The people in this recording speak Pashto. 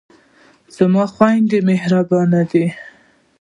زما خویندې مهربانه دي.